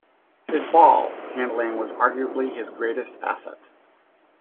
His ball handling was arguably his greatest asset.